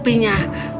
kau itu dia